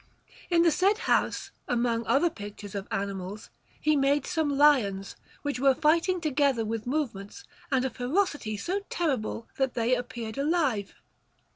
In the said house, among other pictures of animals, he made some lions, which were fighting together with movements and a ferocity so terrible that they appeared alive.